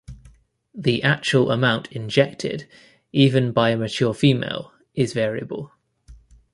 The actual amount injected, even by a mature female, is variable.